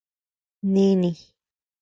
Nini.